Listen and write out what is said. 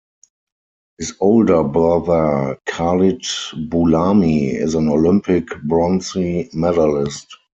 His older brother Khalid Boulami is an Olympic bronze medalist.